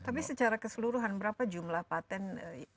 tapi secara keseluruhan berapa jumlah patent